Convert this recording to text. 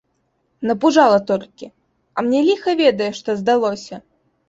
Напужала толькі, а мне ліха ведае што здалося.